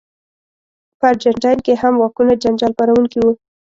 په ارجنټاین کې هم واکونه جنجال پاروونکي وو.